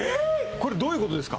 これどういうことですか？